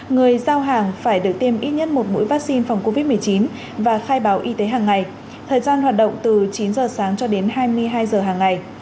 người giao hàng phải được tiêm ít nhất một mũi vaccine phòng covid một mươi chín và khai báo y tế hàng ngày thời gian hoạt động từ chín giờ sáng cho đến hai mươi hai h hàng ngày